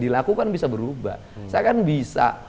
dilakukan bisa berubah saya kan bisa